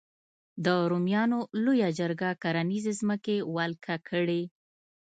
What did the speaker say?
د رومیانو لویه برخه کرنیزې ځمکې ولکه کړې.